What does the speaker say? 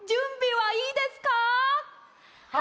はい。